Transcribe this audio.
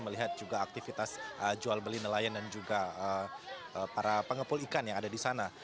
melihat juga aktivitas jual beli nelayan dan juga para pengepul ikan yang ada di sana